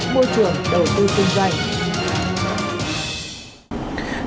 môi trường đầu tư kinh doanh